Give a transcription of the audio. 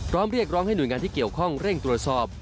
เรียกร้องให้หน่วยงานที่เกี่ยวข้องเร่งตรวจสอบ